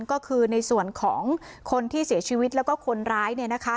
ก็คือในส่วนของคนที่เสียชีวิตแล้วก็คนร้ายเนี่ยนะคะ